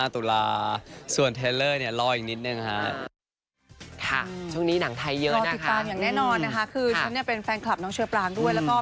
๒๕ตุลาคมอันนี้ครับผม๒๕ตุลาคม